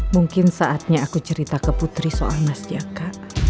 mungkin saatnya aku cerita ke putri soal mas jaka